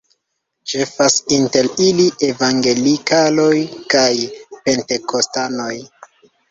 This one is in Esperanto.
Ĉefas inter ili evangelikaloj kaj pentekostanoj.